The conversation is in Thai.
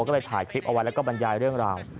ก็เลยถ่ายคลิปเอาไว้แล้วก็บรรยายเรื่องราว